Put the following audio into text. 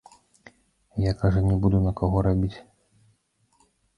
Я, кажа, не буду на каго рабіць.